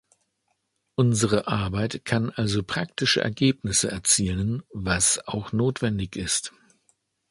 Unsere Arbeit kann also praktische Ergebnisse erzielen, was auch notwendig ist.